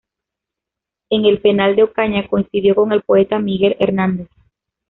En el penal de Ocaña, coincidió con el poeta Miguel Hernández.